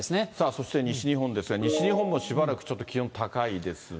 そして西日本ですが、西日本もしばらくちょっと気温高いです